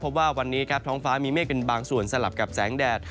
ว่าวันนี้ครับท้องฟ้ามีเมฆเป็นบางส่วนสลับกับแสงแดด